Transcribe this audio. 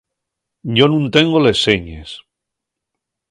Yo nun tengo les señes.